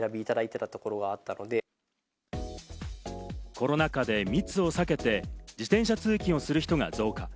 コロナ禍で密を避けて自転車通勤をする人が増加。